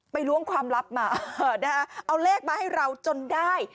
ล้วงความลับมาเอาเลขมาให้เราจนได้